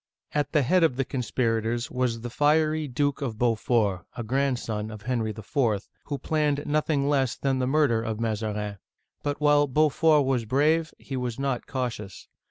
At the head of the conspirators was the fiery Duke of Beaufort, — a grandson of Henry IV., — who planned noth ing less than the murder of Mazarin. But while Beau fort was brave, he was not cautious.